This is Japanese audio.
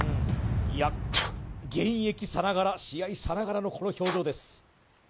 いや現役さながら試合さながらのこの表情です